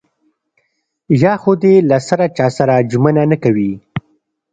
يا خو دې له سره له چاسره ژمنه نه کوي.